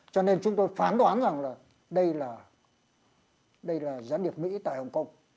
cho nên chúng tôi phán đoán rằng đây là gián điệp mỹ tại hồng kông